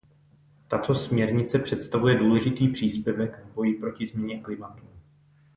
Tato směrnice představuje důležitý příspěvek v boji proti změně klimatu.